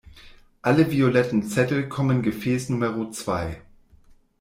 Alle violetten Zettel kommen in Gefäß Numero zwei.